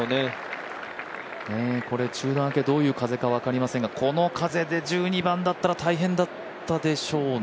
中断明け、どういう風か分かりませんが、この風で１２番だったら大変だったでしょうね。